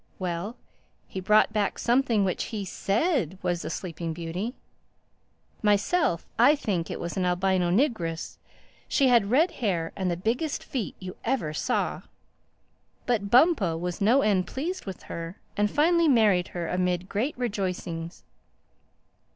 "Well, he brought back something which he said was The Sleeping Beauty. Myself, I think it was an albino niggeress. She had red hair and the biggest feet you ever saw. But Bumpo was no end pleased with her and finally married her amid great rejoicings.